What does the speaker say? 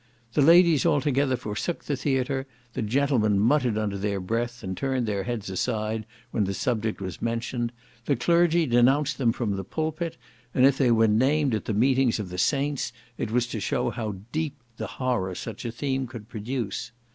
The ladies altogether forsook the theatre; the gentlemen muttered under their breath, and turned their heads aside when the subject was mentioned; the clergy denounced them from the pulpit; and if they were named at the meetings of the saints, it was to show how deep the horror such a theme could produce.